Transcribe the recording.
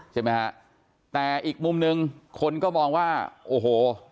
ใช่ไหมฮะแต่อีกมุมหนึ่งคนก็มองว่าโอ้โห